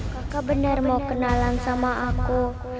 kakak benar mau kenalan sama aku